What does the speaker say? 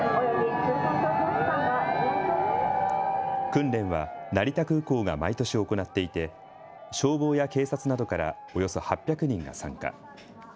訓練は成田空港が毎年行っていて、消防や警察などからおよそ８００人が参加。